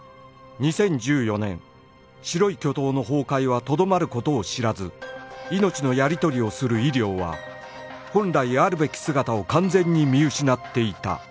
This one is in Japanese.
２０１４年白い巨塔の崩壊はとどまる事を知らず命のやり取りをする医療は本来あるべき姿を完全に見失っていた